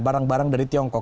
barang barang dari tiongkok